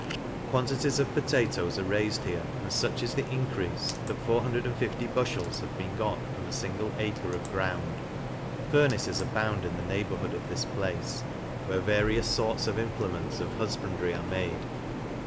Quantities of potatoes are raifed here, and fuch is the encreafe, that 450 bufhels have been got from a fingle acre cf ground. Furnaces abound in the neighbourhood of pis place, where various forts of implements of hufbandry are made.